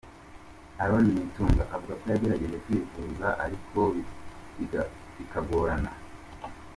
Aaron Nitunga avuga ko yagerageje kwivuza ariko bikagorana.